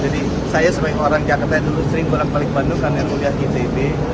jadi saya sebagai orang jakarta yang dulu sering pulang balik bandung karena kuliah di itb